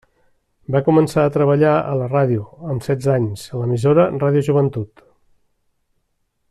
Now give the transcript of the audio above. Va començar a treballar a la ràdio amb setze anys, a l'emissora Ràdio Joventut.